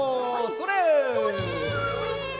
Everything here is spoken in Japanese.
それ！